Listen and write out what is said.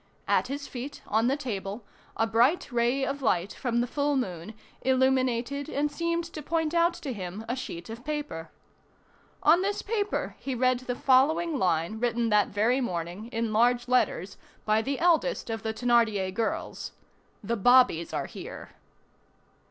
At his feet, on the table, a bright ray of light from the full moon illuminated and seemed to point out to him a sheet of paper. On this paper he read the following line written that very morning, in large letters, by the eldest of the Thénardier girls:— "THE BOBBIES ARE HERE."